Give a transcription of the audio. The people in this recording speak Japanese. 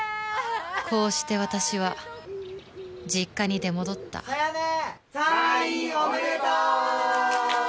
こうして私は実家に出戻った佐弥姉退院おめでとう！